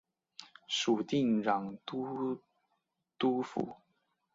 属定襄都督府。